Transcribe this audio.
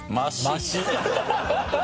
「マシ」。